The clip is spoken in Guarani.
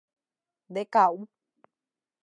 Ndeka'u.